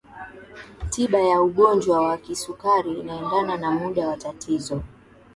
tiba ya ugonjwa wa kisukari inaendana na muda wa tatizo